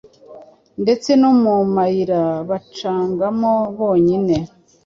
ndetse no mu mayira bacagamo bonyine,